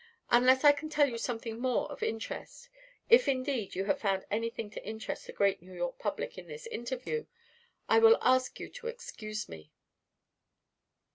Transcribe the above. Unless I can tell you something more of interest if, indeed, you have found anything to interest the great New York public in this interview I will ask you to excuse me."